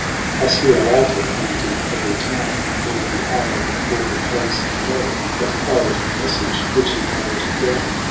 Thus he alighted j and in every town In all the isle before the close of day Had cried the message, which he carried down.